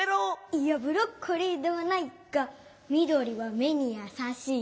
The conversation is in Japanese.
いやブロッコリーではない！がみどりはめにやさしい。